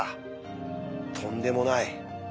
とんでもない！